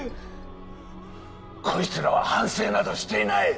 こいつらは反省などしていない！